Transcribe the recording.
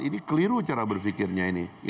ini keliru cara berfikirnya ini